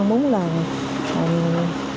tôi cũng mong muốn là